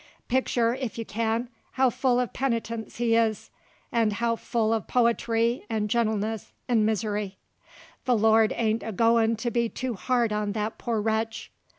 Pictur', if you can, how full of penitence he is, 'nd how full uv po'try 'nd gentleness 'nd misery. The Lord ain't a goin' to be too hard on that poor wretch.